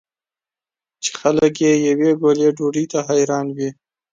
چې خلک یې یوې ګولې ډوډۍ ته حیران وي.